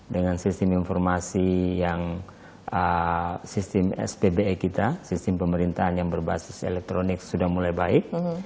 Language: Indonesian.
dengan sistem informasi yang sistem spbe kita sistem pemerintahan yang berbasis elektronik sudah mulai baik